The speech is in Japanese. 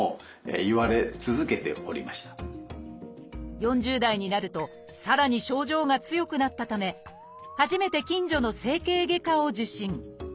４０代になるとさらに症状が強くなったため初めて近所の整形外科を受診。